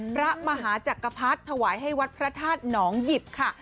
พระมหาจักรพรรดิถวายให้วัดพระธาตุหนองหยิบค่ะ